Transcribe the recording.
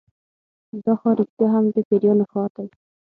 دا ښار رښتیا هم د پیریانو ښار دی.